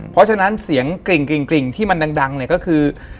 มันแบบกริ่งที่มันดังก็คือ